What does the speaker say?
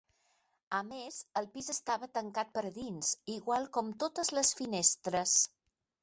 A més, el pis estava tancat per dins, igual com totes les finestres.